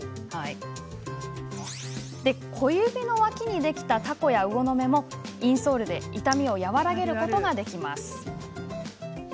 小指の脇にできたタコや魚の目もインソールで痛みを和らげることができます。